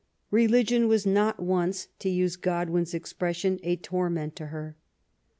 ^' Religion was not once, to use Godwin's expression, a torment to her.